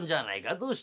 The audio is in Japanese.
どうした？」。